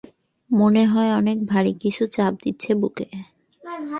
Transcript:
মনে হয় অনেক ভাড়ি কিছু চাপ দিচ্ছে বুকে।